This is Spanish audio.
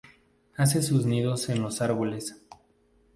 Hace sus nidos en los árboles.